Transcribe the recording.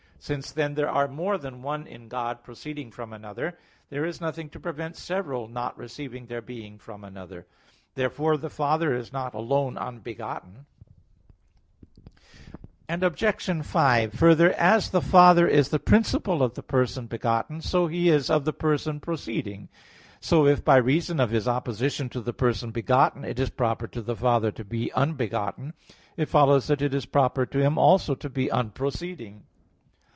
Since, then, there are more than one in God proceeding from another, there is nothing to prevent several not receiving their being from another. Therefore the Father is not alone unbegotten. Obj. 5: Further, as the Father is the principle of the person begotten, so is He of the person proceeding. So if by reason of his opposition to the person begotten, it is proper to the Father to be unbegotten it follows that it is proper to Him also to be unproceeding.